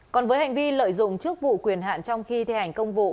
còn với hành vi lợi dụng trước vụ quyền hạn trong khi thể hành công vụ